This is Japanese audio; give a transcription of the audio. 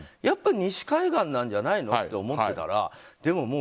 やっぱり西海岸なんじゃないのと思ってたら。